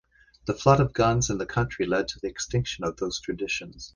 The flood of guns in the country led to the extinction of those traditions.